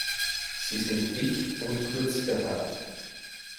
Sie sind dicht und kurz behaart.